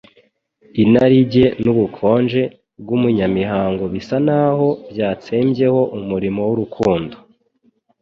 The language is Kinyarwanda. Inarijye n'ubukonje bw'ubunyamihango bisa n'aho byatsembyeho umurimo w'urukundo